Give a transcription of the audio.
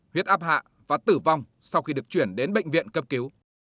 huyết áp hạ và tử vong sau khi được chuyển đến bệnh viện cấp cứu